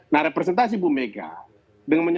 nah representasi bu mega dengan